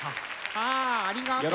あありがとう。